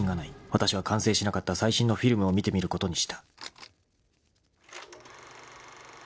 ［わたしは完成しなかった最新のフィルムを見てみることにした］